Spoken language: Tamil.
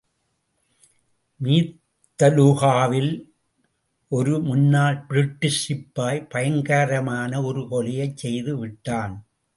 மீத்தலுகாவில் ஒரு முன்னாள் பிரிட்டிஷ் சிப்பாய் பயங்கரமான ஒரு கொலையைச் செய்து விட்டான்.